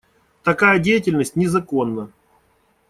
Такая деятельность незаконна.